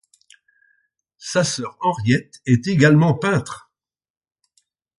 Sa sœur Henriette est également peintre.